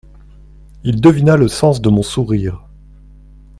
Il devina le sens de mon sourire.